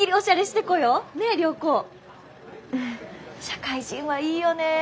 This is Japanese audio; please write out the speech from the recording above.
社会人はいいよねえ